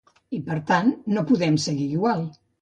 I per tant no podem seguir igual.